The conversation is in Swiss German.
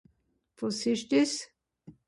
Wàs ìsch dìs ?